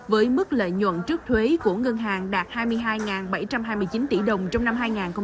với mức lợi nhuận trước thuế của ngân hàng đạt hai mươi hai bảy trăm hai mươi chín tỷ đồng trong năm hai nghìn hai mươi